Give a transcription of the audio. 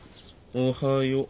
おはよう。